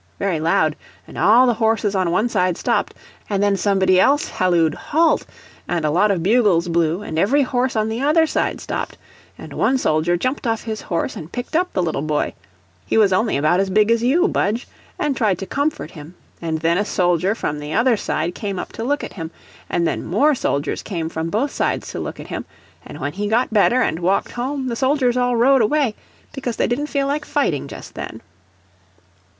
very loud, and all the horses on one side stopped, and then somebody else hallooed 'Halt!' and a lot of bugles blew, and every horse on the other; side stopped, and one soldier jumped off his horse, and picked up the little boy he was only about as big as you, Budge and tried to comfort him; and then a soldier from the other side came up to look at him, and then more soldiers came from both sides to look at him; and when he got better and walked home, the soldiers all rode away, because they didn't feel like fighting just then."